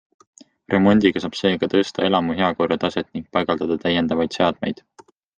Remondiga saab seega tõsta elamu heakorra taset ning paigaldada täiendavaid seadmeid.